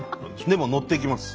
でものっていきます。